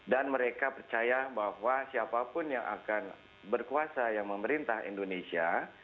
dan mereka percaya bahwa siapapun yang akan berkuasa yang memerintah indonesia